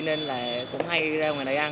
nên là cũng hay ra ngoài nơi ăn